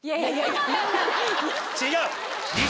違う！